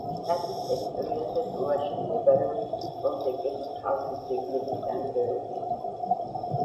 შტატის ტერიტორიაზე, ტულაში მდებარეობს ტოლტეკების ხალხის ძეგლების ნანგრევები.